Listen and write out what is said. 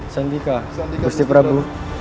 sandika busti prabu